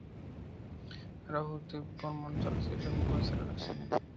রাহুল দেব বর্মণ চলচ্চিত্রটির সঙ্গীত পরিচালক ছিলেন।